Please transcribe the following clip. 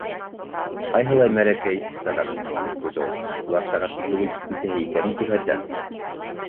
—Ҡайһылай мәрәкә сәғәт! —тип ҡуйҙы ул. —Улар сәғәтте түгел, нисәһе икәнен күрһәтә!